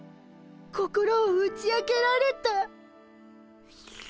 心を打ち明けられた。